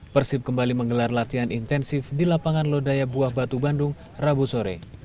persib kembali menggelar latihan intensif di lapangan lodaya buah batu bandung rabu sore